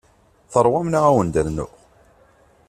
Teṛwam neɣ ad wen-d-rnuɣ?